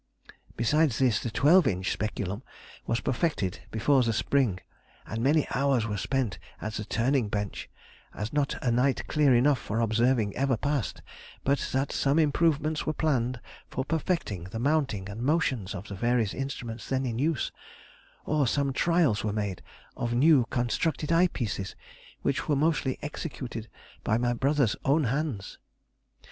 Besides this, the twelve inch speculum was perfected before the spring, and many hours were spent at the turning bench, as not a night clear enough for observing ever passed but that some improvements were planned for perfecting the mounting and motions of the various instruments then in use, or some trials were made of new constructed eye pieces, which were mostly executed by my brother's own hands.